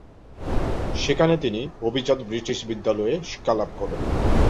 সেখানে তিনি অভিজাত ব্রিটিশ বিদ্যালয়ে শিক্ষালাভ করেন।